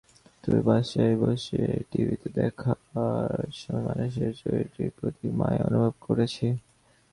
তবে বাসায় বসে টিভিতে দেখার সময় মানসের চরিত্রটির প্রতি মায়া অনুভব করেছি।